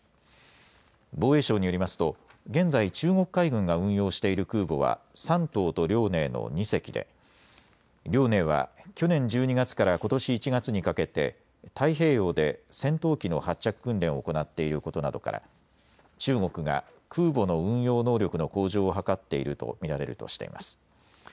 防衛省によりますと現在中国海軍が運用している空母は山東と遼寧の２隻で遼寧は去年１２月からことし１月にかけて太平洋で戦闘機の発着訓練を行っていることなどから中国が空母の運用能力の向上を図っていると見られるとしています。